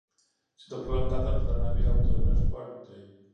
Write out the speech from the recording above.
چې د پوره قدر، درناوي او درنښت وړ دی